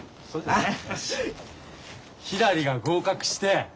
あっ！